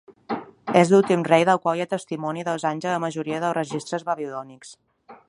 És l'últim rei del qual hi ha testimoni dels anys a la majoria dels registres babilònics.